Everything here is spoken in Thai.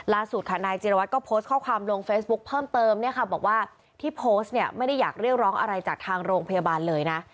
ล่าสุดค่ะนายจิรวัตรก็โพสต์ข้อความลงเฟซบุ๊คเพิ่มเติมเนี่ยค่ะบอกว่าที่โพสต์เนี่ยไม่ได้อยากเรียกร้องอะไรจากทางโรงพยาบาลเลยนะ